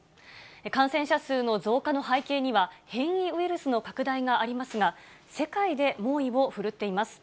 感染者数の増加の背景には、変異ウイルスの拡大がありますが、世界で猛威を振るっています。